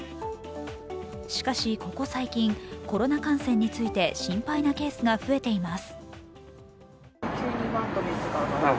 しかし、ここ最近、コロナ感染について心配なケースが増えています。